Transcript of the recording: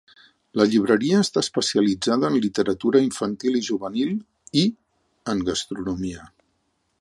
La llibreria està especialitzada en literatura infantil i juvenil i en gastronomia.